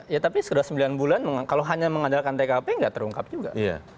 ya tapi sudah sembilan bulan kalau hanya mengandalkan tkp nggak terungkap juga